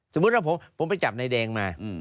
สมมุติว่าผมไปจับนายแดงมา